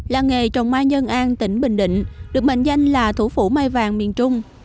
làng nghề trồng mai nhân an tỉnh bình định được mệnh danh là thủ phủ mai vàng miền trung